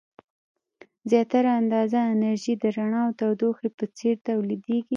زیاتره اندازه انرژي د رڼا او تودوخې په څیر تولیدیږي.